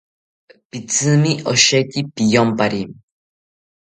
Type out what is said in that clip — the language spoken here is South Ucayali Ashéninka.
Pitzimi osheki piyompari